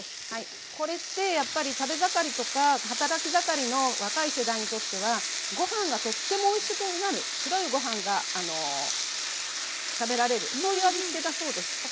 これってやっぱり食べ盛りとか働き盛りの若い世代にとってはご飯がとってもおいしくなる白いご飯があの食べられるそういう味付けだそうです。